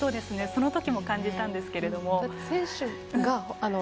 そのときも感じたんですけど。